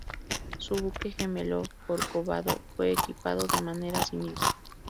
Su buque gemelo "Corcovado" fue equipado de manera similar.